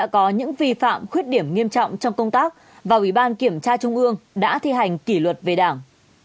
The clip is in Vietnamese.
có những vi phạm khuyết điểm nghiêm trọng trong công tác và ủy ban kiểm tra trung ương đã thi hành kỷ luật về đảng